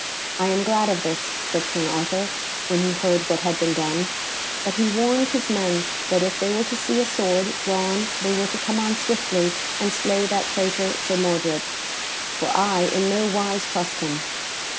"I am glad of this," said King Arthur, when he heard what had been done; but he warned his men that if they were to see a sword drawn they were to come on swiftly and slay that traitor, Sir Mordred, "for I in no wise trust him."